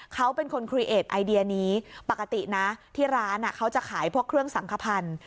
เขาเป็นคนครีเอสไอเดียนี้ปกตินะที่ร้านเขาจะขายพวกเครื่องสังขพันธ์